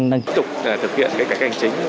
tiếp tục thực hiện các hành chính